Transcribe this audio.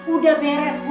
udah beres bu